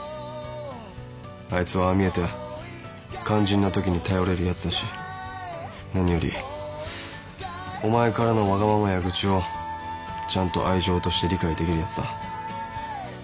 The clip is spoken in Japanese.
あいつはああ見えて肝心なときに頼れるやつだし何よりお前からのわがままや愚痴をちゃんと愛情として理解できるやつだ。